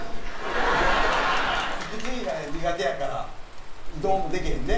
息継ぎが苦手やからどうもできへんね。